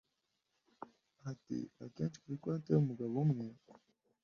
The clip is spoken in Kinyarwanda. Ati Akenshi kuri konti yumugabo umwe